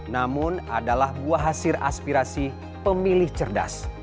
namun adalah buah hasil aspirasi pemilih cerdas